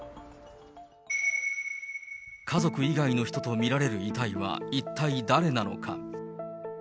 家族以外の人と見られる遺体は一体誰なのか。